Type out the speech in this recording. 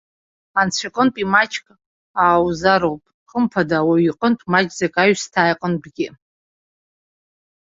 Анцәа иҟынтәи маҷк ааузароуп, хымԥада, ауаҩ иҟынтә, маҷӡак аҩсҭаа иҟынтәгьы.